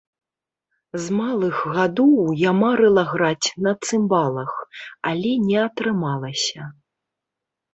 З малых гадоў я марыла граць на цымбалах, але не атрымалася.